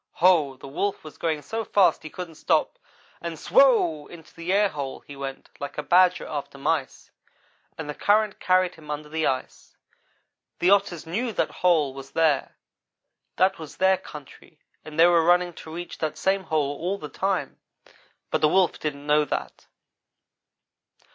Ho ! the Wolf was going so fast he couldn't stop, and SWOW! into the airhole he went like a badger after mice, and the current carried him under the ice. The Otters knew that hole was there. That was their country and they were running to reach that same hole all the time, but the Wolf didn't know that.